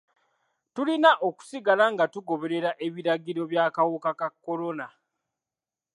Tulina okusigala nga tugoberera ebiragiro by'akawuka ka kolona.